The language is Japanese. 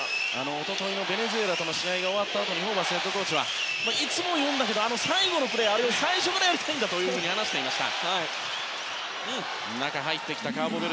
一昨日のベネズエラとの試合が終わったあとホーバスヘッドコーチはいつも言うんだけど最後のプレーを最初からやりたいんだと話していました。